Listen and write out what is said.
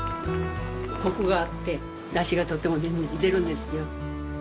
コクがあって出汁がとっても出るんですよ。